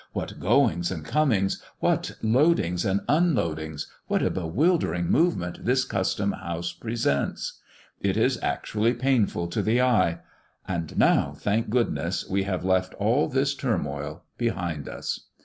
What goings and comings; what loadings and unloadings; what a bewildering movement this Custom house presents! It is actually painful to the eye. And now, thank goodness, we have left all this turmoil behind us.